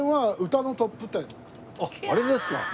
あっあれですか。